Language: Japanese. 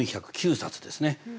４０９冊ですね。